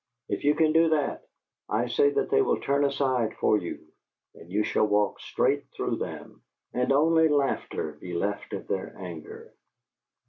If you can do that, I say that they will turn aside for you, and you shall walk straight through them, and only laughter be left of their anger!"